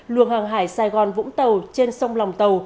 luồng hàng hải sài gòn vũng tàu trên sông lòng tàu